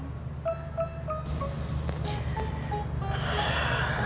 gak usah dipikirin beb